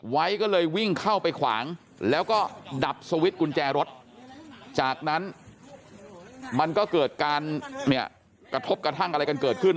ไว้ก็เลยวิ่งเข้าไปขวางแล้วก็ดับสวิตช์กุญแจรถจากนั้นมันก็เกิดการเนี่ยกระทบกระทั่งอะไรกันเกิดขึ้น